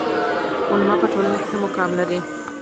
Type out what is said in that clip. علما په ټولنه کې څه مقام لري؟